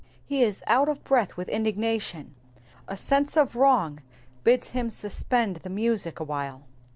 He is out of breath with indignation. A sense of wrong bids him suspend the music awhile.